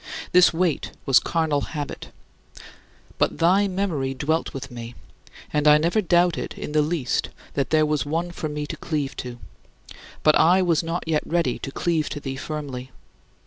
This weight was carnal habit. But thy memory dwelt with me, and I never doubted in the least that there was One for me to cleave to; but I was not yet ready to cleave to thee firmly.